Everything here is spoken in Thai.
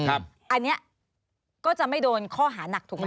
อันนี้ก็จะไม่โดนข้อหานักถูกไหม